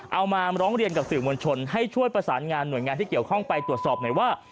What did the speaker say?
เอามาร้องเรียนกับสื่อมวลชนให้ช่วยประสานงานหน่วยงานที่เกี่ยวข้องไปตรวจสอบหน่อยว่า